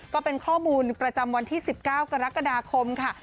ก็เป็นข้อมูลประจำวันที่๑๙กรกฎาคมค่ะ